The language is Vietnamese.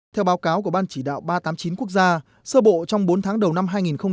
theo báo cáo của ban chỉ đạo ba trăm tám mươi chín quốc gia sơ bộ trong bốn tháng đầu năm hai nghìn một mươi chín